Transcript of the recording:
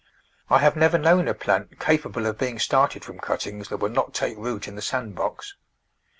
I have never known a plant capable of being started from cuttings that would not take root in the sand box.